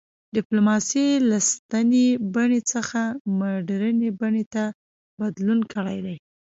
ډیپلوماسي له سنتي بڼې څخه مډرنې بڼې ته بدلون کړی دی